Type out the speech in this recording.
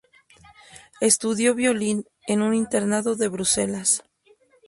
Estudió violín en un internado de Bruselas.